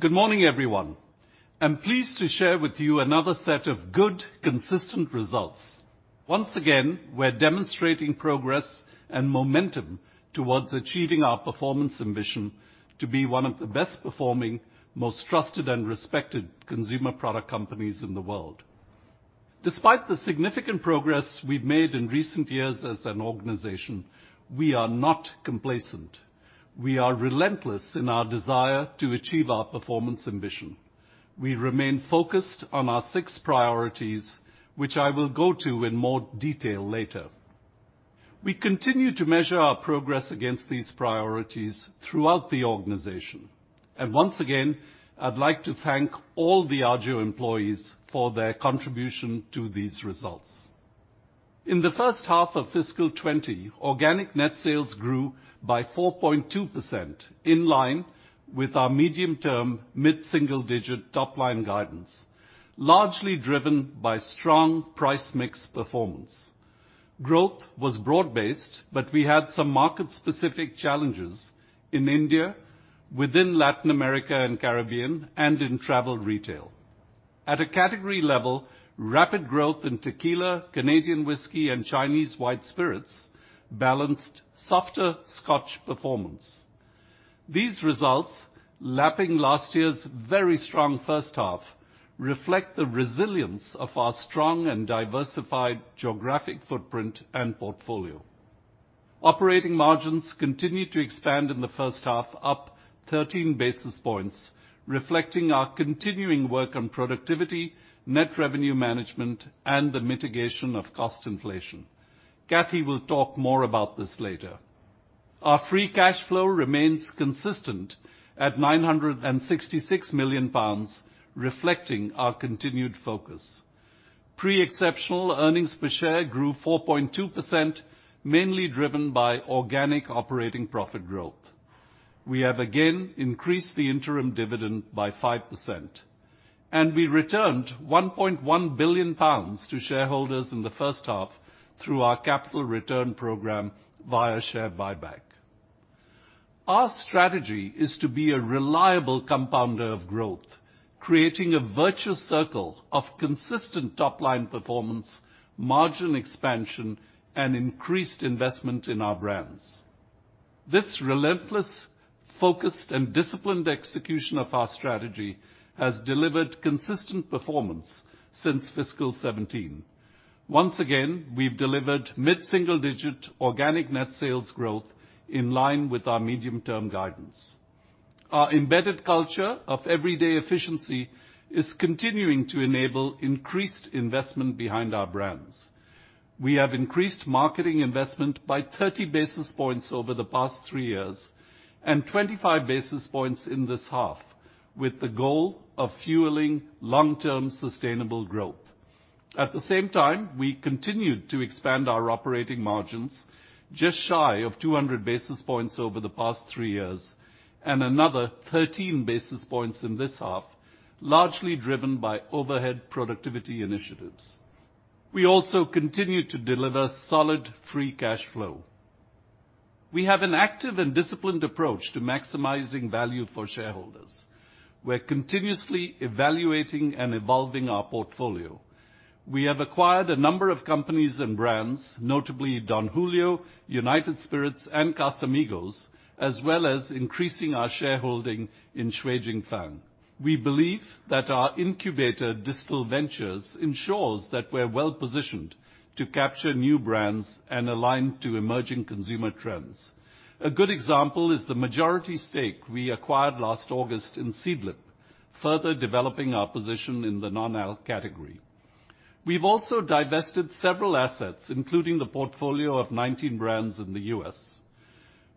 Good morning, everyone. I'm pleased to share with you another set of good, consistent results. Once again, we're demonstrating progress and momentum towards achieving our performance ambition to be one of the best performing, most trusted and respected consumer product companies in the world. Despite the significant progress we've made in recent years as an organization, we are not complacent. We are relentless in our desire to achieve our performance ambition. We remain focused on our six priorities, which I will go to in more detail later. We continue to measure our progress against these priorities throughout the organization. Once again, I'd like to thank all the Diageo employees for their contribution to these results. In the first half of fiscal 2020, organic net sales grew by 4.2%, in line with our medium term, mid-single digit top line guidance, largely driven by strong price mix performance. Growth was broad based, but we had some market-specific challenges in India, within Latin America and Caribbean, and in travel retail. At a category level, rapid growth in tequila, Canadian whisky, and Chinese white spirits balanced softer Scotch performance. These results, lapping last year's very strong first half, reflect the resilience of our strong and diversified geographic footprint and portfolio. Operating margins continued to expand in the first half, up 13 basis points, reflecting our continuing work on productivity, net revenue management, and the mitigation of cost inflation. Kathy will talk more about this later. Our free cash flow remains consistent at 966 million pounds, reflecting our continued focus. Pre-exceptional earnings per share grew 4.2%, mainly driven by organic operating profit growth. We have again increased the interim dividend by 5%. We returned 1.1 billion pounds to shareholders in the first half through our capital return program via share buyback. Our strategy is to be a reliable compounder of growth, creating a virtuous circle of consistent top-line performance, margin expansion, and increased investment in our brands. This relentless, focused, and disciplined execution of our strategy has delivered consistent performance since fiscal 2017. Once again, we've delivered mid-single-digit organic net sales growth in line with our medium-term guidance. Our embedded culture of everyday efficiency is continuing to enable increased investment behind our brands. We have increased marketing investment by 30 basis points over the past three years and 25 basis points in this half, with the goal of fueling long-term sustainable growth. At the same time, we continued to expand our operating margins just shy of 200 basis points over the past three years, and another 13 basis points in this half, largely driven by overhead productivity initiatives. We also continued to deliver solid free cash flow. We have an active and disciplined approach to maximizing value for shareholders. We're continuously evaluating and evolving our portfolio. We have acquired a number of companies and brands, notably Don Julio, United Spirits, and Casamigos, as well as increasing our shareholding in Shui Jing Fang. We believe that our incubator, Distill Ventures, ensures that we're well positioned to capture new brands and align to emerging consumer trends. A good example is the majority stake we acquired last August in Seedlip, further developing our position in the non-alcoholic category. We've also divested several assets, including the portfolio of 19 brands in the U.S.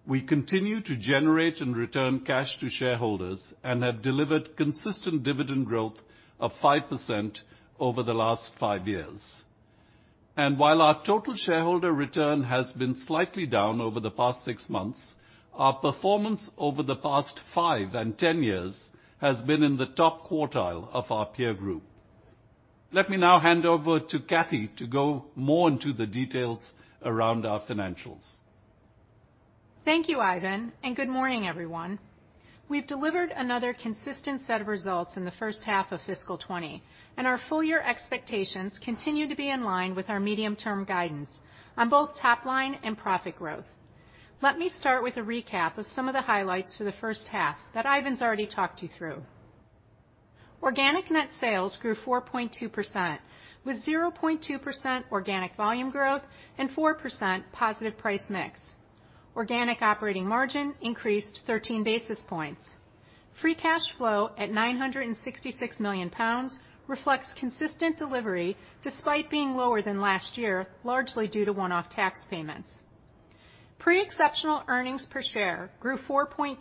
We continue to generate and return cash to shareholders and have delivered consistent dividend growth of 5% over the last five years. While our total shareholder return has been slightly down over the past six months, our performance over the past five and 10 years has been in the top quartile of our peer group. Let me now hand over to Kathy to go more into the details around our financials. Thank you, Ivan, and good morning, everyone. We've delivered another consistent set of results in the first half of fiscal 2020, and our full year expectations continue to be in line with our medium-term guidance on both top line and profit growth. Let me start with a recap of some of the highlights for the first half that Ivan's already talked you through. Organic net sales grew 4.2%, with 0.2% organic volume growth and 4% positive price mix. Organic operating margin increased 13 basis points. Free cash flow at 966 million pounds reflects consistent delivery despite being lower than last year, largely due to one-off tax payments. Pre-exceptional earnings per share grew 4.2%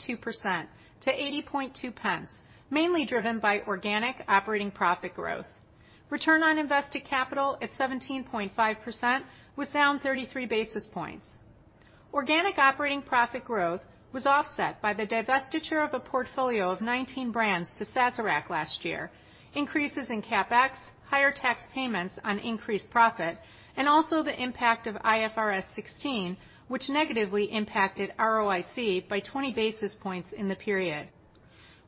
to 0.802, mainly driven by organic operating profit growth. Return on invested capital at 17.5% was down 33 basis points. Organic operating profit growth was offset by the divestiture of a portfolio of 19 brands to Sazerac last year, increases in CapEx, higher tax payments on increased profit, and also the impact of IFRS 16, which negatively impacted ROIC by 20 basis points in the period.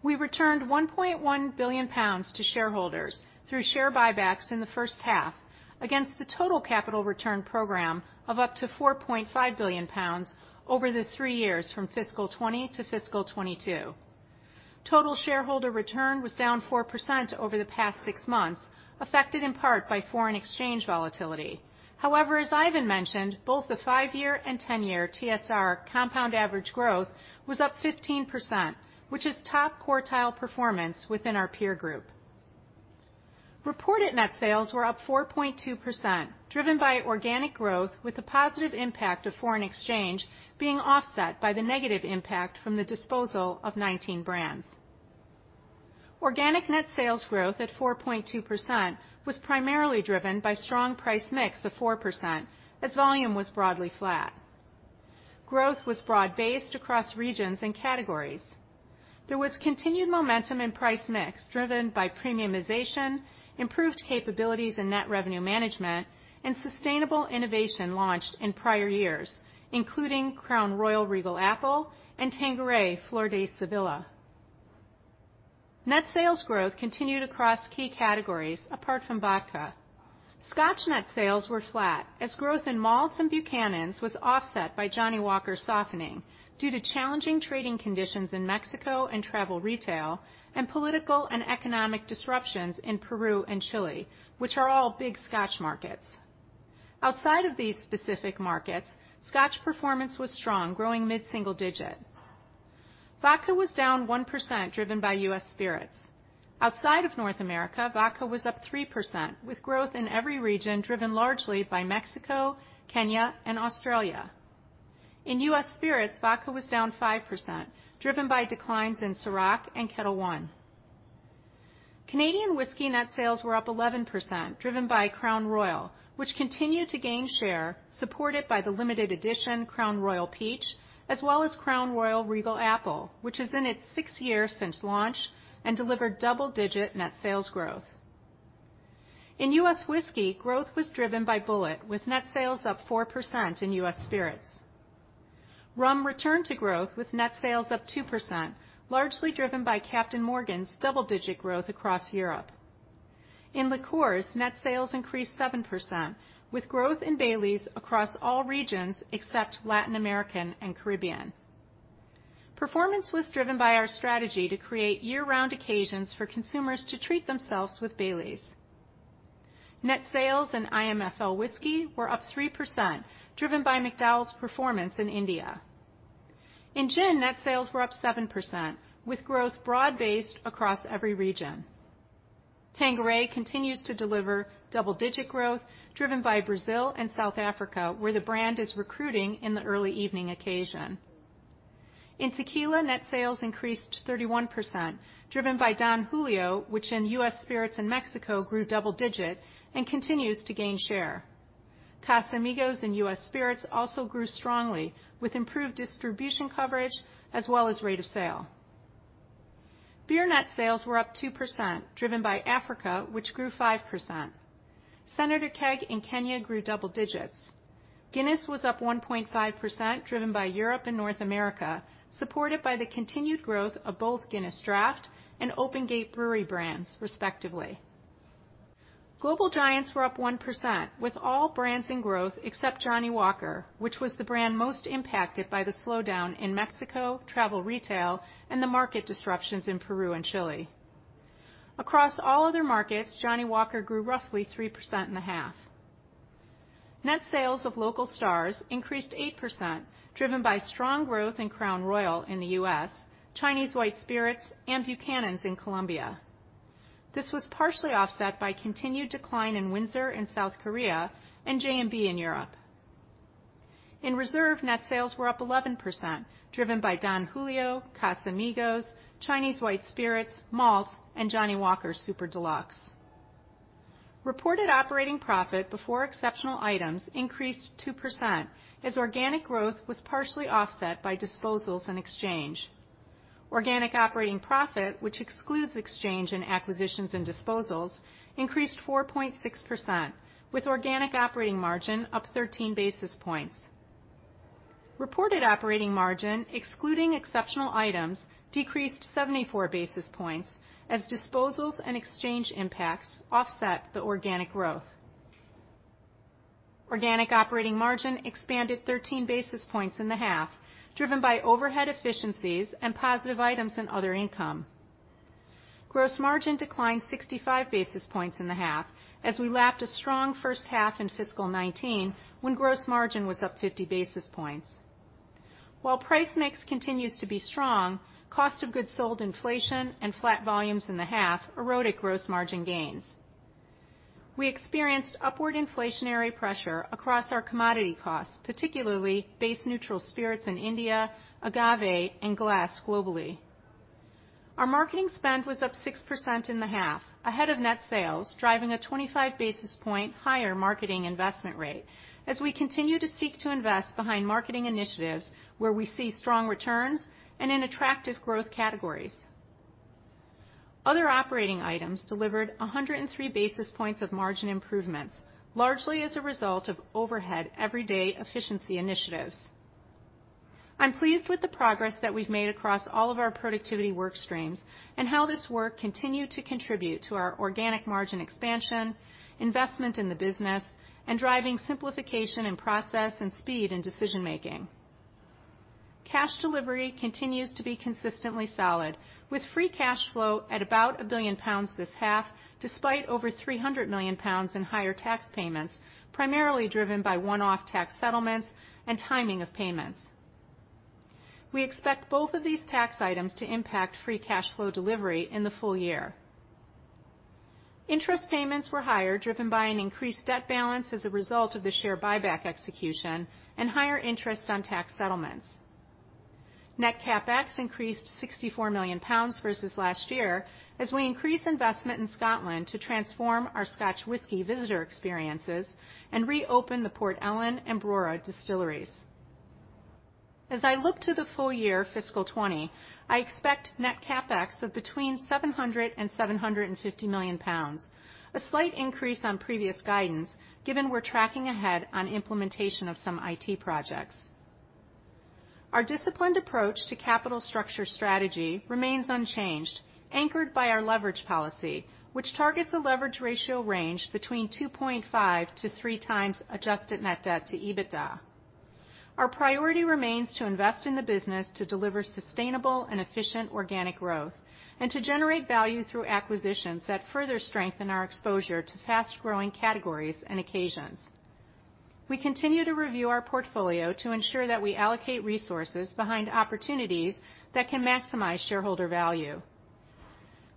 We returned 1.1 billion pounds to shareholders through share buybacks in the first half against the total capital return program of up to 4.5 billion pounds over the three years from fiscal 2020 to fiscal 2022. Total shareholder return was down 4% over the past six months, affected in part by foreign exchange volatility. However, as Ivan mentioned, both the five-year and 10-year TSR compound average growth was up 15%, which is top quartile performance within our peer group. Reported net sales were up 4.2%, driven by organic growth with the positive impact of foreign exchange being offset by the negative impact from the disposal of 19 brands. Organic net sales growth at 4.2% was primarily driven by strong price mix of 4%, as volume was broadly flat. Growth was broad-based across regions and categories. There was continued momentum in price mix driven by premiumization, improved capabilities in net revenue management, and sustainable innovation launched in prior years, including Crown Royal Regal Apple and Tanqueray Flor de Sevilla. Net sales growth continued across key categories apart from vodka. Scotch net sales were flat as growth in Malts and Buchanan's was offset by Johnnie Walker softening due to challenging trading conditions in Mexico and travel retail and political and economic disruptions in Peru and Chile, which are all big Scotch markets. Outside of these specific markets, Scotch performance was strong, growing mid-single digit. Vodka was down 1%, driven by U.S. spirits. Outside of North America, vodka was up 3%, with growth in every region driven largely by Mexico, Kenya, and Australia. In U.S. spirits, vodka was down 5%, driven by declines in Cîroc and Ketel One. Canadian whisky net sales were up 11%, driven by Crown Royal, which continued to gain share supported by the limited edition Crown Royal Peach as well as Crown Royal Regal Apple, which is in its sixth year since launch and delivered double-digit net sales growth. In U.S. whiskey, growth was driven by Bulleit, with net sales up 4% in U.S. spirits. Rum returned to growth with net sales up 2%, largely driven by Captain Morgan's double-digit growth across Europe. In liqueurs, net sales increased 7%, with growth in Baileys across all regions except Latin American and Caribbean. Performance was driven by our strategy to create year-round occasions for consumers to treat themselves with Baileys. Net sales in IMFL whiskey were up 3%, driven by McDowell's performance in India. In gin, net sales were up 7%, with growth broad-based across every region. Tanqueray continues to deliver double-digit growth driven by Brazil and South Africa, where the brand is recruiting in the early evening occasion. In tequila, net sales increased 31%, driven by Don Julio, which in U.S. spirits in Mexico grew double digit and continues to gain share. Casamigos in U.S. spirits also grew strongly with improved distribution coverage as well as rate of sale. Beer net sales were up 2%, driven by Africa, which grew 5%. Senator Keg in Kenya grew double digits. Guinness was up 1.5%, driven by Europe and North America, supported by the continued growth of both Guinness Draught and Open Gate Brewery brands respectively. Global giants were up 1%, with all brands in growth except Johnnie Walker, which was the brand most impacted by the slowdown in Mexico, travel retail, and the market disruptions in Peru and Chile. Across all other markets, Johnnie Walker grew roughly 3% in the half. Net sales of local stars increased 8%, driven by strong growth in Crown Royal in the U.S., Chinese white spirits, and Buchanan's in Colombia. This was partially offset by continued decline in Windsor in South Korea and J&B in Europe. In reserve, net sales were up 11%, driven by Don Julio, Casamigos, Chinese white spirits, Malts, and Johnnie Walker Super Deluxe. Reported operating profit before exceptional items increased 2% as organic growth was partially offset by disposals and exchange. Organic operating profit, which excludes exchange and acquisitions and disposals, increased 4.6%, with organic operating margin up 13 basis points. Reported operating margin, excluding exceptional items, decreased 74 basis points as disposals and exchange impacts offset the organic growth. Organic operating margin expanded 13 basis points in the half, driven by overhead efficiencies and positive items in other income. Gross margin declined 65 basis points in the half as we lapped a strong first half in fiscal 2019 when gross margin was up 50 basis points. While price mix continues to be strong, cost of goods sold inflation and flat volumes in the half eroded gross margin gains. We experienced upward inflationary pressure across our commodity costs, particularly base neutral spirits in India, agave, and glass globally. Our marketing spend was up 6% in the half ahead of net sales, driving a 25 basis point higher marketing investment rate as we continue to seek to invest behind marketing initiatives where we see strong returns and in attractive growth categories. Other operating items delivered 103 basis points of margin improvements, largely as a result of overhead everyday efficiency initiatives. I'm pleased with the progress that we've made across all of our productivity work streams, and how this work continued to contribute to our organic margin expansion, investment in the business, and driving simplification in process and speed in decision making. Cash delivery continues to be consistently solid, with free cash flow at about 1 billion pounds this half, despite over 300 million pounds in higher tax payments, primarily driven by one-off tax settlements and timing of payments. We expect both of these tax items to impact free cash flow delivery in the full year. Interest payments were higher, driven by an increased debt balance as a result of the share buyback execution and higher interest on tax settlements. Net CapEx increased 64 million pounds versus last year as we increase investment in Scotland to transform our Scotch whisky visitor experiences and reopen the Port Ellen and Brora distilleries. As I look to the full year fiscal 2020, I expect net CapEx of between 700 million-750 million pounds, a slight increase on previous guidance given we're tracking ahead on implementation of some IT projects. Our disciplined approach to capital structure strategy remains unchanged, anchored by our leverage policy, which targets a leverage ratio range between 2.5x-3x adjusted net debt to EBITDA. Our priority remains to invest in the business to deliver sustainable and efficient organic growth and to generate value through acquisitions that further strengthen our exposure to fast-growing categories and occasions. We continue to review our portfolio to ensure that we allocate resources behind opportunities that can maximize shareholder value.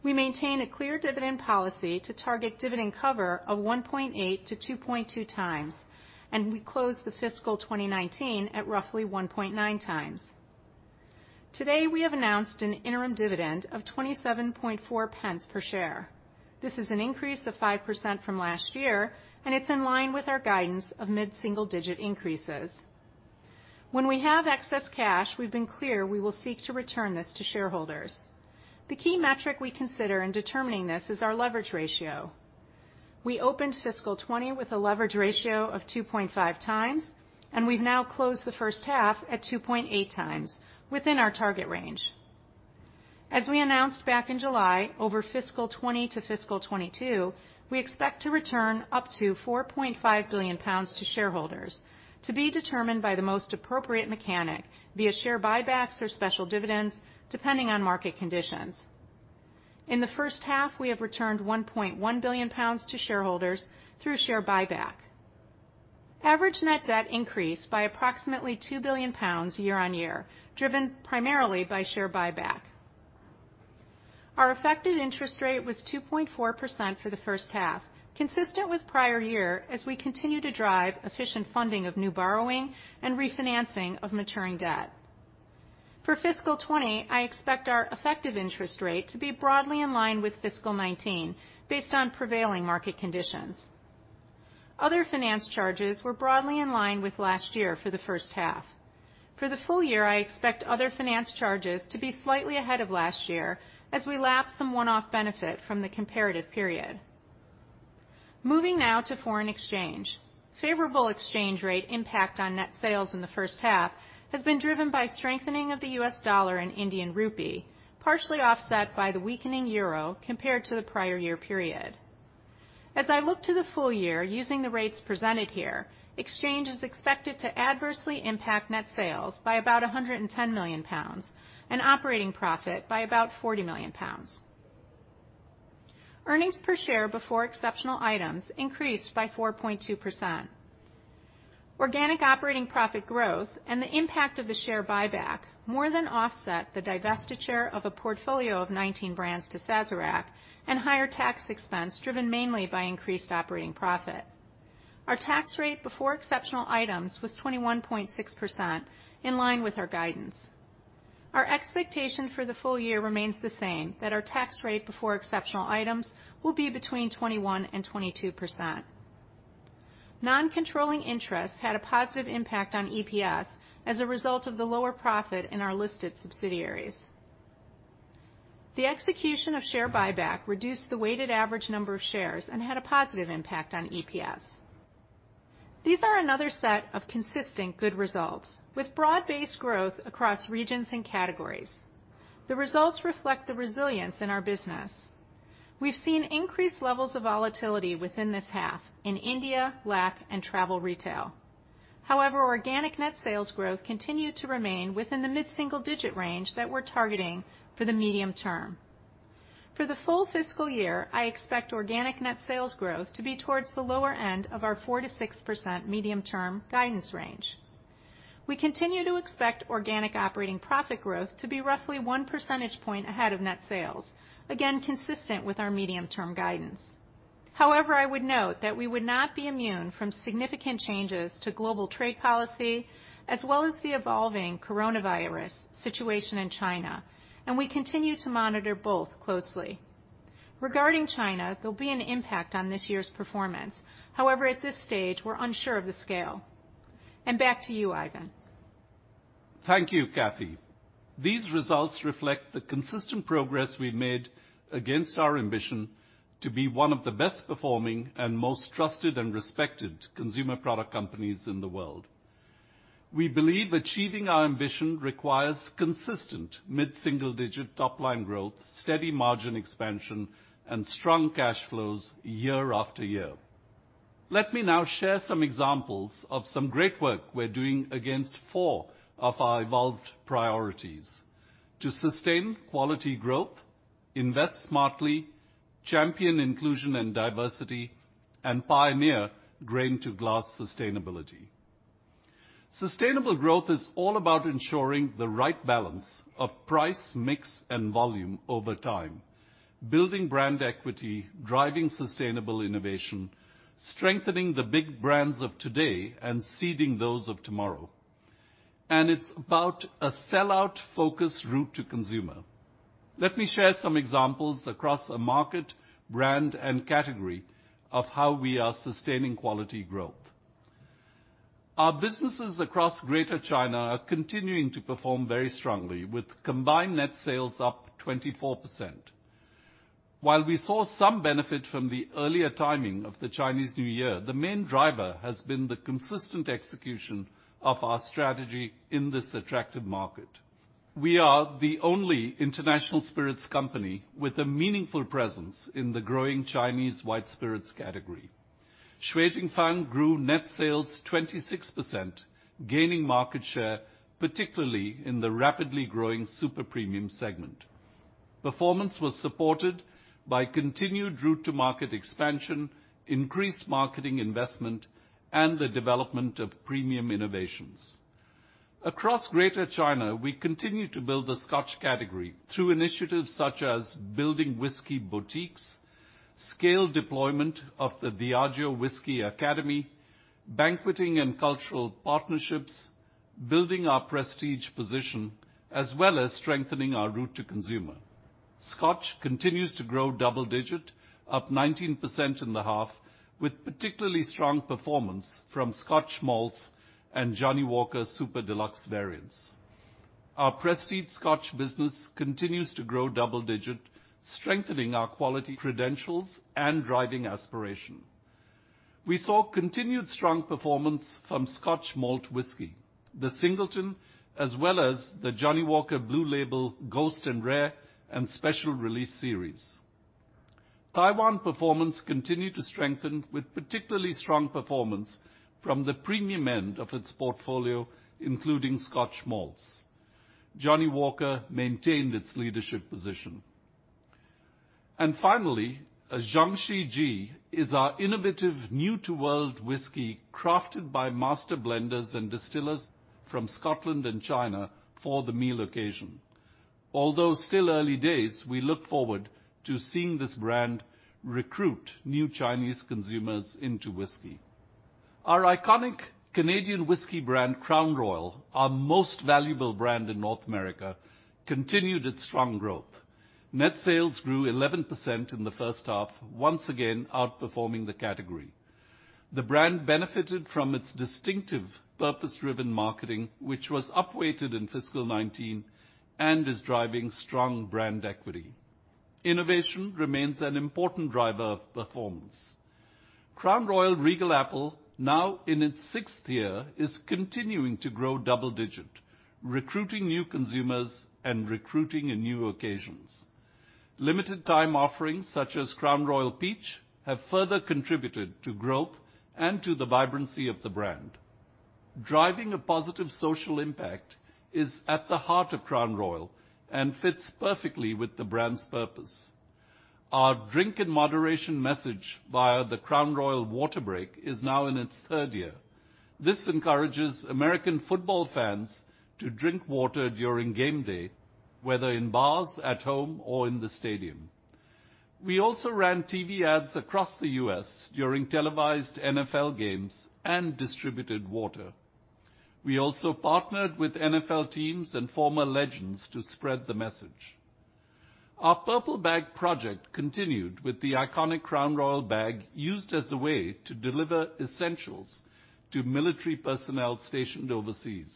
We maintain a clear dividend policy to target dividend cover of 1.8x to 2.2x, and we closed the fiscal 2019 at roughly 1.9x. Today, we have announced an interim dividend of 0.274 per share. This is an increase of 5% from last year, and it's in line with our guidance of mid-single-digit increases. When we have excess cash, we've been clear we will seek to return this to shareholders. The key metric we consider in determining this is our leverage ratio. We opened fiscal 2020 with a leverage ratio of 2.5x. We've now closed the first half at 2.8x, within our target range. As we announced back in July, over fiscal 2020 to fiscal 2022, we expect to return up to 4.5 billion pounds to shareholders to be determined by the most appropriate mechanic, via share buybacks or special dividends, depending on market conditions. In the first half, we have returned 1.1 billion pounds to shareholders through share buyback. Average net debt increased by approximately 2 billion pounds year-on-year, driven primarily by share buyback. Our effective interest rate was 2.4% for the first half, consistent with prior year as we continue to drive efficient funding of new borrowing and refinancing of maturing debt. For fiscal 2020, I expect our effective interest rate to be broadly in line with fiscal 2019 based on prevailing market conditions. Other finance charges were broadly in line with last year for the first half. For the full year, I expect other finance charges to be slightly ahead of last year as we lap some one-off benefit from the comparative period. Moving now to foreign exchange. Favorable exchange rate impact on net sales in the first half has been driven by strengthening of the U.S. dollar and Indian rupee, partially offset by the weakening euro compared to the prior year period. As I look to the full year using the rates presented here, exchange is expected to adversely impact net sales by about 110 million pounds and operating profit by about 40 million pounds. Earnings per share before exceptional items increased by 4.2%. Organic operating profit growth and the impact of the share buyback more than offset the divestiture of a portfolio of 19 brands to Sazerac and higher tax expense driven mainly by increased operating profit. Our tax rate before exceptional items was 21.6%, in line with our guidance. Our expectation for the full year remains the same, that our tax rate before exceptional items will be between 21% and 22%. Non-controlling interests had a positive impact on EPS as a result of the lower profit in our listed subsidiaries. The execution of share buyback reduced the weighted average number of shares and had a positive impact on EPS. These are another set of consistent good results with broad-based growth across regions and categories. The results reflect the resilience in our business. We've seen increased levels of volatility within this half in India, LAC, and travel retail. However, organic net sales growth continued to remain within the mid-single-digit range that we're targeting for the medium term. For the full fiscal year, I expect organic net sales growth to be towards the lower end of our 4%-6% medium-term guidance range. We continue to expect organic operating profit growth to be roughly one percentage point ahead of net sales, again, consistent with our medium-term guidance. However, I would note that we would not be immune from significant changes to global trade policy as well as the evolving coronavirus situation in China, and we continue to monitor both closely. Regarding China, there'll be an impact on this year's performance. However, at this stage, we're unsure of the scale. Back to you, Ivan. Thank you, Kathy. These results reflect the consistent progress we've made against our ambition to be one of the best performing and most trusted and respected consumer product companies in the world. We believe achieving our ambition requires consistent mid-single digit top-line growth, steady margin expansion, and strong cash flows year after year. Let me now share some examples of some great work we're doing against four of our evolved priorities. To sustain quality growth, invest smartly, champion inclusion and diversity, and pioneer grain-to-glass sustainability. Sustainable growth is all about ensuring the right balance of price, mix, and volume over time, building brand equity, driving sustainable innovation, strengthening the big brands of today, and seeding those of tomorrow. It's about a sell-out focused route to consumer. Let me share some examples across a market, brand, and category of how we are sustaining quality growth. Our businesses across Greater China are continuing to perform very strongly with combined net sales up 24%. While we saw some benefit from the earlier timing of the Chinese New Year, the main driver has been the consistent execution of our strategy in this attractive market. We are the only international spirits company with a meaningful presence in the growing Chinese white spirits category. Shui Jing Fang grew net sales 26%, gaining market share, particularly in the rapidly growing super premium segment. Performance was supported by continued route to market expansion, increased marketing investment, and the development of premium innovations. Across Greater China, we continue to build the Scotch category through initiatives such as building whisky boutiques, scale deployment of the Diageo Whisky Academy, banqueting and cultural partnerships, building our prestige position, as well as strengthening our route to consumer. Scotch continues to grow double digit, up 19% in the half, with particularly strong performance from Scotch malts and Johnnie Walker Super Deluxe variants. Our prestige Scotch business continues to grow double digit, strengthening our quality credentials and driving aspiration. We saw continued strong performance from Scotch malt whisky, The Singleton, as well as the Johnnie Walker Blue Label Ghost and Rare and Special Release series. Taiwan performance continued to strengthen with particularly strong performance from the premium end of its portfolio, including Scotch malts. Johnnie Walker maintained its leadership position. Finally, Zhong Shi Ji is our innovative new to world whisky crafted by master blenders and distillers from Scotland and China for the meal occasion. Although still early days, we look forward to seeing this brand recruit new Chinese consumers into whisky. Our iconic Canadian whisky brand, Crown Royal, our most valuable brand in North America, continued its strong growth. Net sales grew 11% in the first half, once again outperforming the category. The brand benefited from its distinctive purpose-driven marketing, which was upweighted in fiscal 2019 and is driving strong brand equity. Innovation remains an important driver of performance. Crown Royal Regal Apple, now in its sixth year, is continuing to grow double digit, recruiting new consumers and recruiting in new occasions. Limited time offerings such as Crown Royal Peach have further contributed to growth and to the vibrancy of the brand. Driving a positive social impact is at the heart of Crown Royal and fits perfectly with the brand's purpose. Our drink in moderation message via The Crown Royal Water Break is now in its third year. This encourages American football fans to drink water during game day, whether in bars, at home, or in the stadium. We also ran TV ads across the U.S. during televised NFL games and distributed water. We also partnered with NFL teams and former legends to spread the message. Our Purple Bag Project continued with the iconic Crown Royal bag used as a way to deliver essentials to military personnel stationed overseas.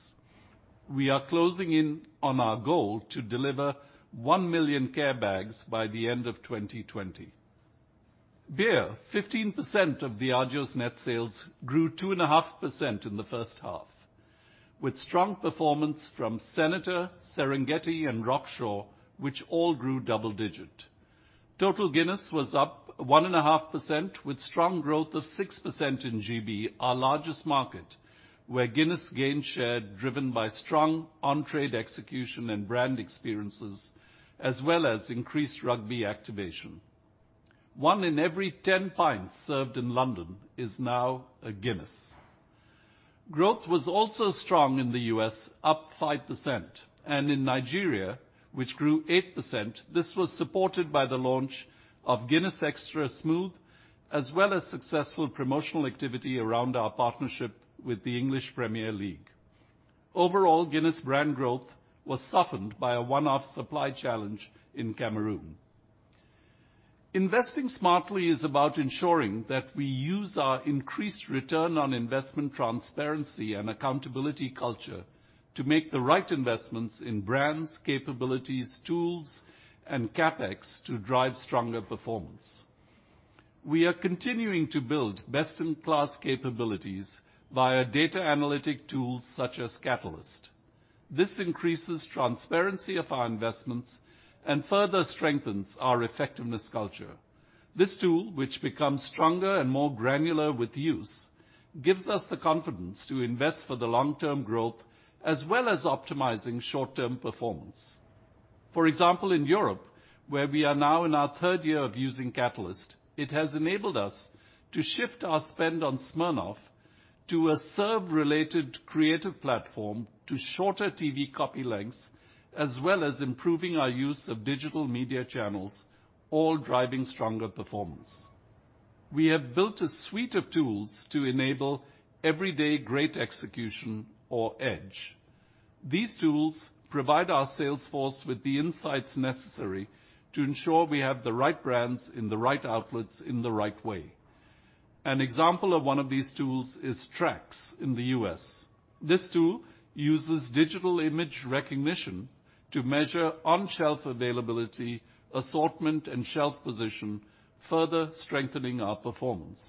We are closing in on our goal to deliver 1 million care bags by the end of 2020. Beer, 15% of Diageo's net sales, grew 2.5% in the first half, with strong performance from Senator, Serengeti, and Rockshore, which all grew double digit. Total Guinness was up 1.5% with strong growth of 6% in GB, our largest market, where Guinness gained share driven by strong on-trade execution and brand experiences, as well as increased rugby activation. One in every 10 pints served in London is now a Guinness. Growth was also strong in the U.S., up 5%, and in Nigeria, which grew 8%. This was supported by the launch of Guinness Extra Smooth, as well as successful promotional activity around our partnership with the English Premier League. Overall, Guinness brand growth was softened by a one-off supply challenge in Cameroon. Investing smartly is about ensuring that we use our increased return on investment transparency and accountability culture to make the right investments in brands, capabilities, tools, and CapEx to drive stronger performance. We are continuing to build best-in-class capabilities via data analytic tools such as Catalyst. This increases transparency of our investments and further strengthens our effectiveness culture. This tool, which becomes stronger and more granular with use, gives us the confidence to invest for the long-term growth as well as optimizing short-term performance. For example, in Europe, where we are now in our third year of using Catalyst, it has enabled us to shift our spend on Smirnoff to a serve-related creative platform to shorter TV copy lengths, as well as improving our use of digital media channels, all driving stronger performance. We have built a suite of tools to enable everyday great execution or EDGE. These tools provide our sales force with the insights necessary to ensure we have the right brands in the right outlets in the right way. An example of one of these tools is Trax in the U.S. This tool uses digital image recognition to measure on-shelf availability, assortment, and shelf position, further strengthening our performance.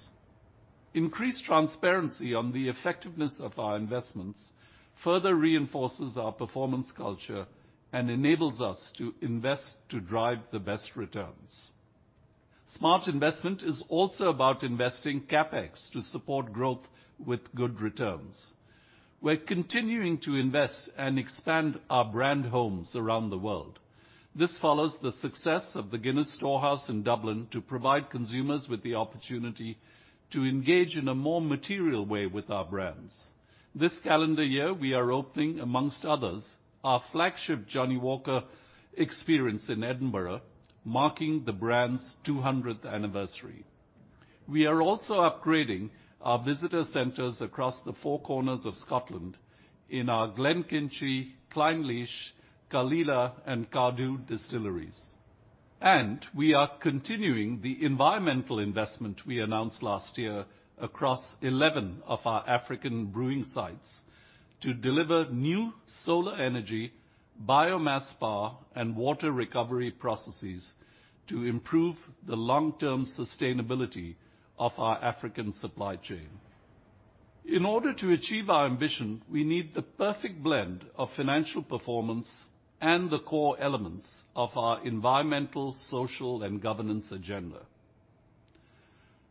Increased transparency on the effectiveness of our investments further reinforces our performance culture and enables us to invest to drive the best returns. Smart investment is also about investing CapEx to support growth with good returns. We're continuing to invest and expand our brand homes around the world. This follows the success of the Guinness Storehouse in Dublin to provide consumers with the opportunity to engage in a more material way with our brands. This calendar year, we are opening, amongst others, our flagship Johnnie Walker experience in Edinburgh, marking the brand's 200th anniversary. We are upgrading our visitor centers across the four corners of Scotland in our Glenkinchie, Clynelish, Caol Ila, and Cardhu distilleries. We are continuing the environmental investment we announced last year across 11 of our African brewing sites to deliver new solar energy, biomass power, and water recovery processes to improve the long-term sustainability of our African supply chain. In order to achieve our ambition, we need the perfect blend of financial performance and the core elements of our environmental, social, and governance agenda.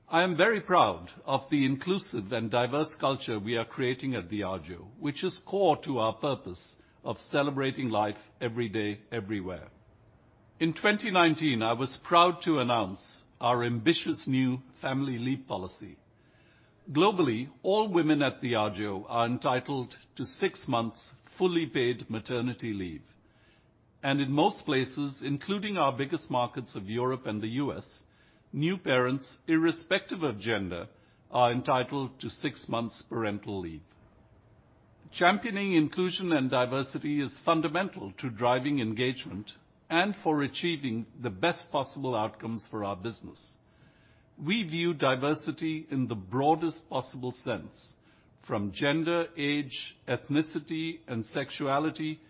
I am very proud of the inclusive and diverse culture we are creating at Diageo, which is core to our purpose of celebrating life every day, everywhere. In 2019, I was proud to announce our ambitious new family leave policy. Globally, all women at Diageo are entitled to six months fully paid maternity leave. In most places, including our biggest markets of Europe and the U.S., new parents, irrespective of gender, are entitled to six months' parental leave. Championing inclusion and diversity is fundamental to driving engagement and for achieving the best possible outcomes for our business. We view diversity in the broadest possible sense, from gender, age, ethnicity, and sexuality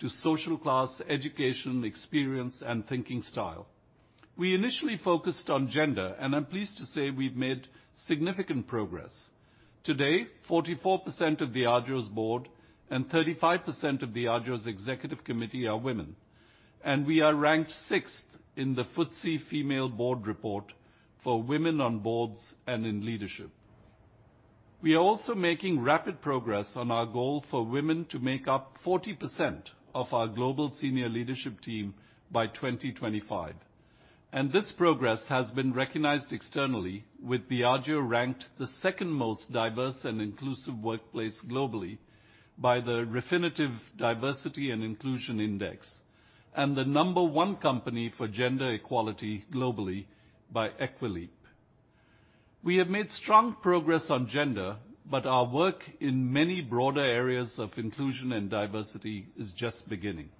to social class, education, experience, and thinking style. We initially focused on gender, and I'm pleased to say we've made significant progress. Today, 44% of Diageo's board and 35% of Diageo's executive committee are women, and we are ranked sixth in the Female FTSE Board Report for women on boards and in leadership. We are also making rapid progress on our goal for women to make up 40% of our global senior leadership team by 2025, and this progress has been recognized externally with Diageo ranked the second most diverse and inclusive workplace globally by the Refinitiv Diversity and Inclusion Index, and the number one company for gender equality globally by Equileap. We have made strong progress on gender, but our work in many broader areas of inclusion and diversity is just beginning.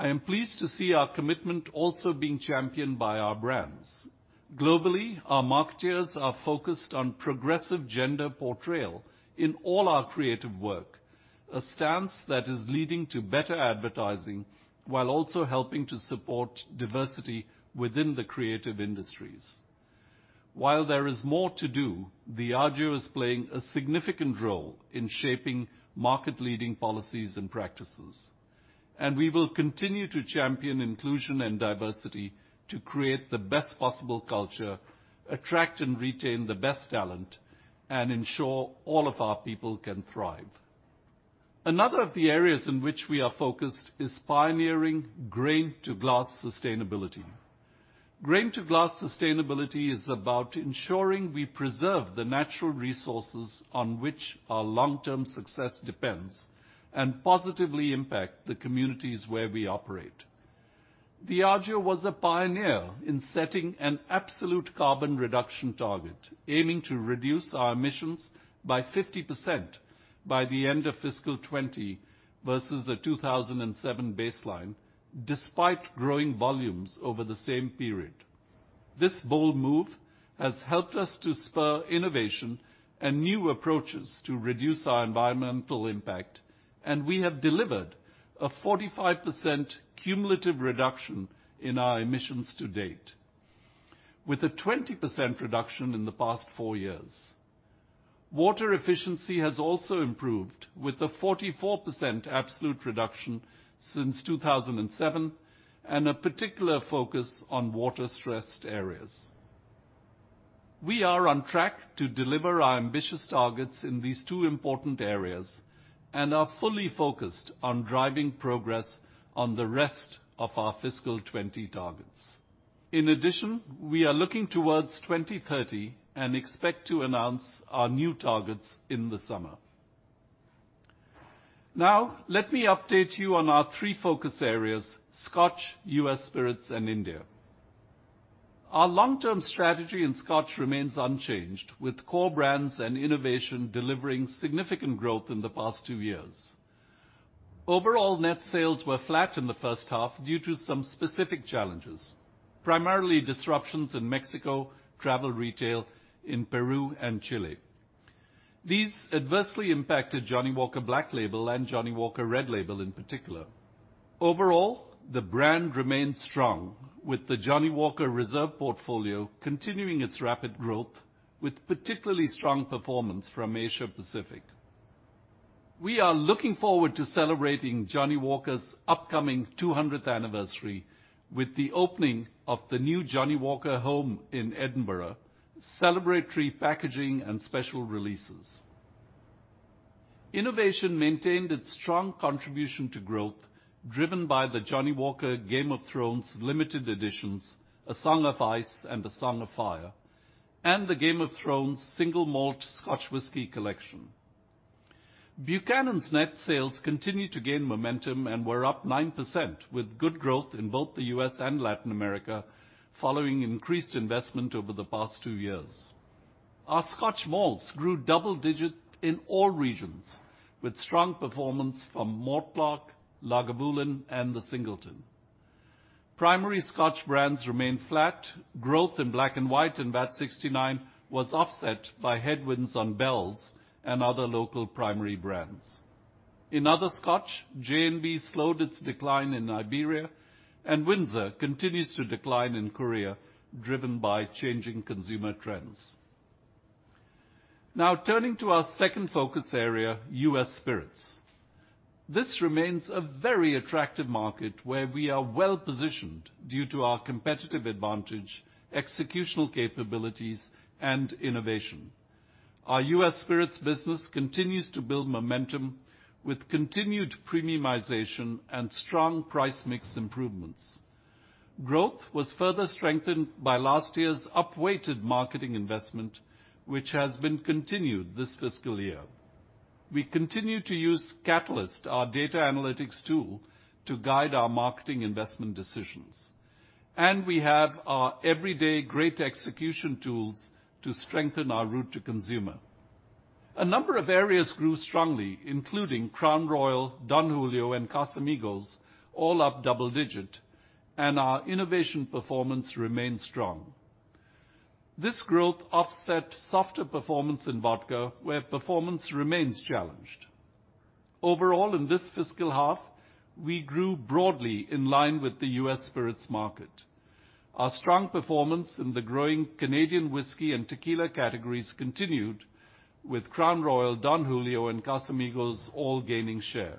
I am pleased to see our commitment also being championed by our brands. Globally, our marketers are focused on progressive gender portrayal in all our creative work, a stance that is leading to better advertising while also helping to support diversity within the creative industries. While there is more to do, Diageo is playing a significant role in shaping market-leading policies and practices, and we will continue to champion inclusion and diversity to create the best possible culture, attract and retain the best talent, and ensure all of our people can thrive. Another of the areas in which we are focused is pioneering grain-to-glass sustainability. Grain-to-glass sustainability is about ensuring we preserve the natural resources on which our long-term success depends and positively impact the communities where we operate. Diageo was a pioneer in setting an absolute carbon reduction target, aiming to reduce our emissions by 50% by the end of fiscal 2020 versus the 2007 baseline, despite growing volumes over the same period. This bold move has helped us to spur innovation and new approaches to reduce our environmental impact, and we have delivered a 45% cumulative reduction in our emissions to date, with a 20% reduction in the past four years. Water efficiency has also improved, with a 44% absolute reduction since 2007 and a particular focus on water-stressed areas. We are on track to deliver our ambitious targets in these two important areas and are fully focused on driving progress on the rest of our fiscal 2020 targets. In addition, we are looking towards 2030 and expect to announce our new targets in the summer. Now, let me update you on our three focus areas, Scotch, U.S. Spirits, and India. Our long-term strategy in Scotch remains unchanged, with core brands and innovation delivering significant growth in the past two years. Overall, net sales were flat in the first half due to some specific challenges, primarily disruptions in Mexico, travel retail in Peru and Chile. These adversely impacted Johnnie Walker Black Label and Johnnie Walker Red Label in particular. Overall, the brand remains strong, with the Johnnie Walker Reserve portfolio continuing its rapid growth, with particularly strong performance from Asia-Pacific. We are looking forward to celebrating Johnnie Walker's upcoming 200th anniversary with the opening of the new Johnnie Walker home in Edinburgh, celebratory packaging, and special releases. Innovation maintained its strong contribution to growth driven by the Johnnie Walker Game of Thrones limited editions, A Song of Ice and A Song of Fire, and the Game of Thrones Single Malt Scotch Whisky Collection. Buchanan's net sales continue to gain momentum and were up 9%, with good growth in both the U.S. and Latin America following increased investment over the past two years. Our Scotch malts grew double digit in all regions, with strong performance from Mortlach, Lagavulin, and The Singleton. Primary Scotch brands remain flat. Growth in Black & White and Vat 69 was offset by headwinds on Bell's and other local primary brands. In other Scotch, J&B slowed its decline in Iberia, and Windsor continues to decline in Korea, driven by changing consumer trends. Turning to our second focus area, U.S. Spirits. This remains a very attractive market where we are well-positioned due to our competitive advantage, executional capabilities, and innovation. Our U.S. Spirits business continues to build momentum with continued premiumization and strong price mix improvements. Growth was further strengthened by last year's up-weighted marketing investment, which has been continued this fiscal year. We continue to use Catalyst, our data analytics tool, to guide our marketing investment decisions, and we have our everyday great execution tools to strengthen our route to consumer. A number of areas grew strongly, including Crown Royal, Don Julio, and Casamigos, all up double-digit, and our innovation performance remains strong. This growth offset softer performance in vodka, where performance remains challenged. Overall, in this fiscal half, we grew broadly in line with the U.S. Spirits market. Our strong performance in the growing Canadian whisky and tequila categories continued with Crown Royal, Don Julio, and Casamigos all gaining share.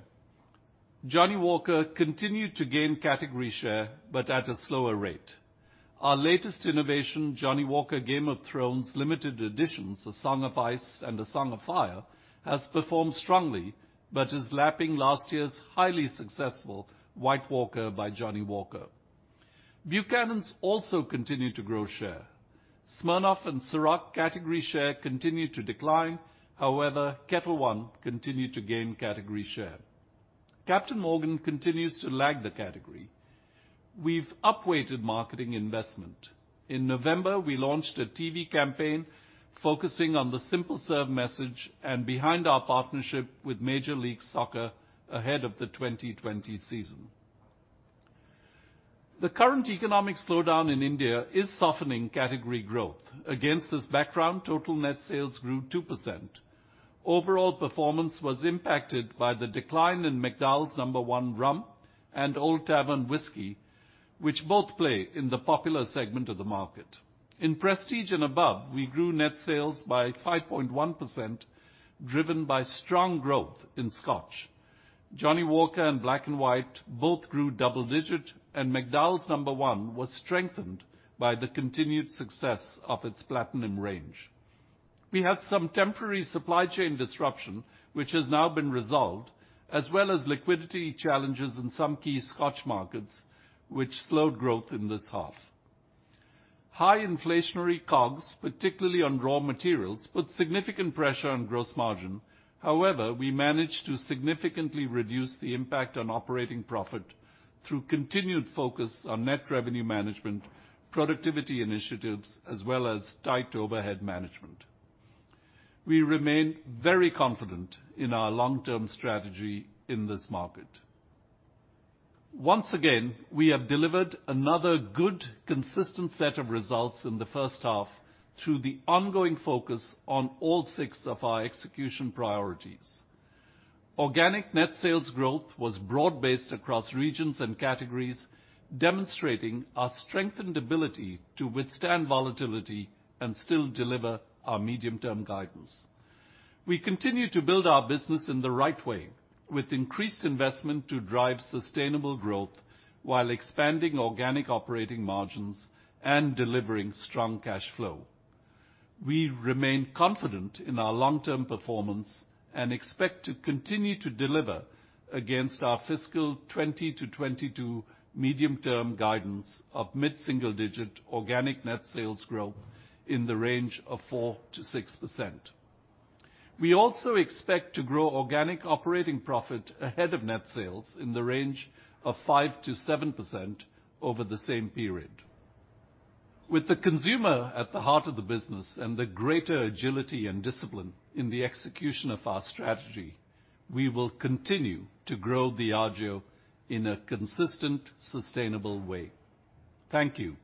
Johnnie Walker continued to gain category share but at a slower rate. Our latest innovation, Johnnie Walker Game of Thrones limited editions, A Song of Ice and A Song of Fire, has performed strongly but is lapping last year's highly successful White Walker by Johnnie Walker. Buchanan's also continued to grow share. Smirnoff and Cîroc category share continued to decline. Ketel One continued to gain category share. Captain Morgan continues to lag the category. We've up-weighted marketing investment. In November, we launched a TV campaign focusing on the simple serve message and behind our partnership with Major League Soccer ahead of the 2020 season. The current economic slowdown in India is softening category growth. Against this background, total net sales grew 2%. Overall performance was impacted by the decline in McDowell's No. 1 Rum and Old Tavern whisky, which both play in the popular segment of the market. In prestige and above, we grew net sales by 5.1%, driven by strong growth in Scotch. Johnnie Walker and Black & White both grew double digit, and McDowell's No. 1 was strengthened by the continued success of its Platinum range. We had some temporary supply chain disruption, which has now been resolved, as well as liquidity challenges in some key Scotch markets, which slowed growth in this half. High inflationary COGS, particularly on raw materials, put significant pressure on gross margin. However, we managed to significantly reduce the impact on operating profit through continued focus on net revenue management, productivity initiatives, as well as tight overhead management. We remain very confident in our long-term strategy in this market. Once again, we have delivered another good, consistent set of results in the first half through the ongoing focus on all six of our execution priorities. Organic net sales growth was broad based across regions and categories, demonstrating our strengthened ability to withstand volatility and still deliver our medium-term guidance. We continue to build our business in the right way, with increased investment to drive sustainable growth while expanding organic operating margins and delivering strong cash flow. We remain confident in our long-term performance and expect to continue to deliver against our fiscal 2020-2022 medium-term guidance of mid-single-digit organic net sales growth in the range of 4%-6%. We also expect to grow organic operating profit ahead of net sales in the range of 5%-7% over the same period. With the consumer at the heart of the business and the greater agility and discipline in the execution of our strategy, we will continue to grow Diageo in a consistent, sustainable way. Thank you.